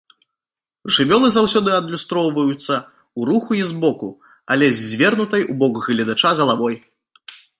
Жывёлы заўсёды адлюстроўваюцца ў руху і збоку, але з звернутай у бок гледача галавой.